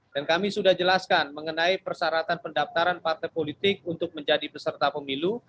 dan kami sudah jelaskan mengenai persyaratan pendaftaran partai politik untuk menjadi peserta pemilu